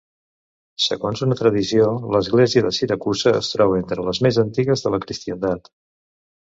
Segons una tradició, l'església de Siracusa es troba entre les més antigues de la cristiandat.